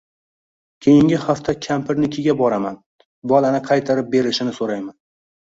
Keyingi hafta kampirnikiga boraman, bolani qaytarib berishini soʻrayman